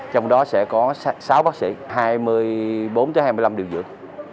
trong đó sẽ có sáu bác sĩ hai mươi bốn hai mươi năm điều dưỡng